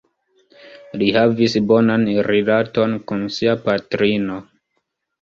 Li havis bonan rilaton kun sia patrino.